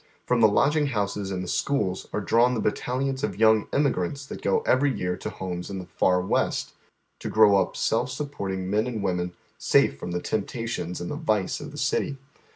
From the lodging houses and the schools are di awn the battalions of young emigrants that go every year to homes in the Far West, to grow up self supporting men and women safe from the temptations and the vice of the city.